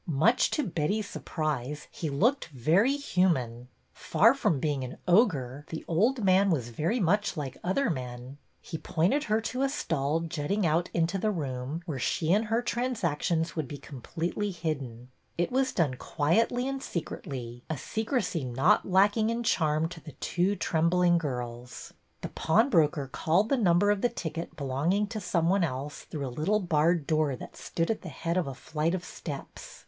Much to Betty's sur prise, he looked very human. Far from being an ogre, the old man was very much like other men. He pointed her to a stall jutting out into the room, where she and her transactions would be completely hidden. It was done quietly and secretly, — a secrecy not lacking in charm to the two trembling girls. The pawnbroker called the number of the ticket belonging to some one else through a little barred door that stood at the head of a flight of steps.